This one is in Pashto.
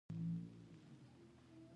دوه بېلابېل قطبونه یو بل جذبه کوي.